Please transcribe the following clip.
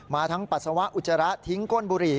ทั้งปัสสาวะอุจจาระทิ้งก้นบุหรี่